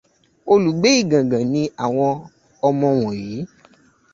Olùgbé Igàngàn ni àwọn ọmọ wọ̀nyí.